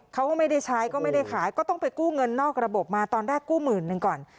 เขาก็ไม่ได้ใช้ก็ไม่ได้ขายก็ต้องไปกู้เงินนอกระบบมาตอนแรกกู้หมื่นหนึ่งก่อน